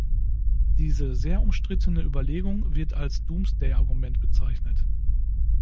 Diese sehr umstrittene Überlegung wird als „Doomsday-Argument“ bezeichnet.